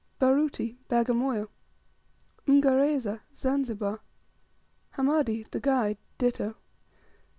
31. Baruti, Bagamoyo. 32. Umgareza, Zanzibar. 33. Hamadi (the guide), ditto.